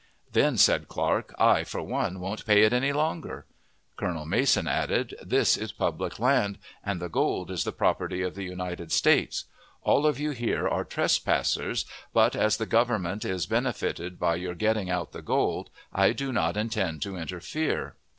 "Then," said Clark, "I for one won't pay it any longer." Colonel Mason added: "This is public land, and the gold is the property of the United States; all of you here are trespassers, but, as the Government is benefited by your getting out the gold, I do not intend to interfere."